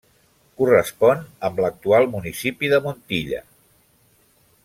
Correspon amb l'actual municipi de Montilla.